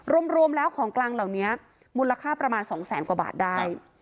รวมแล้วของกลางเหล่านี้มูลค่าประมาณ๒แสนกว่าบาทได้